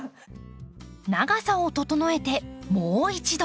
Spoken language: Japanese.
長さを整えてもう一度！